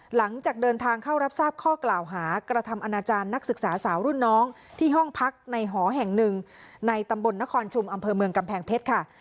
หลังจากเดินทางเข้ารับทราบข้อกล่าวหากระทำอนาจารย์นักศึกษาสาวรุ่นน้องที่ห้องพักในหอแห่งหนึ่งในตำบลนครชุมอำเภอเมืองกำแพงเพชรค่ะ